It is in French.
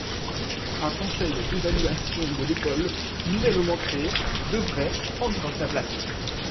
Un Conseil d’évaluation de l’école, nouvellement créé, devrait prendre sa place.